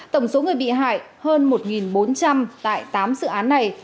tổng số người bị hại hơn một bốn trăm linh tại tám dự án này